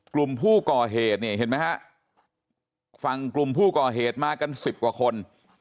กลุ่มผู้ก่อเหตุฟังกลุ่มผู้ก่อเหตุมากกัน๑๐กว่าคน